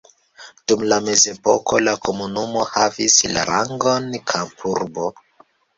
Dum la mezepoko la komunumo havis la rangon kampurbo.